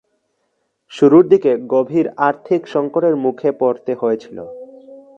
শুরুর দিকে গভীর আর্থিক সঙ্কটের মুখে পড়তে হয়েছিল।